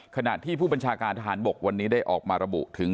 ขณะที่ผู้บัญชาการทหารบกวันนี้ได้ออกมาระบุถึง